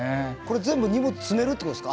全部荷物積めるってことですか？